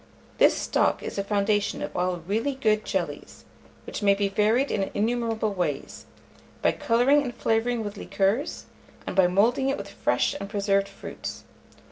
This stock is the foundation of all really good jellies, which may be varied in innumerable ways, by colouring and flavouring with liqueurs, and by moulding it with fresh and preserved fruits.